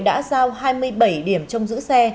đã giao hai mươi bảy điểm trong giữ xe